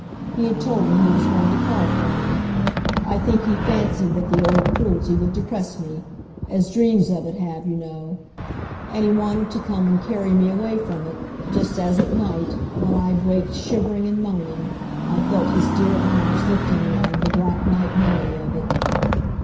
He had told me he was going to call for me. I think he fancied that the old Cruelty would depress me as dreams of it have, you know; and he wanted to come and carry me away from it, just as at night, when I've waked shivering and moaning, I've felt his dear arms lifting me out of the black night memory of it.